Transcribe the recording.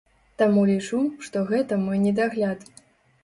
Таму лічу, што гэта мой недагляд.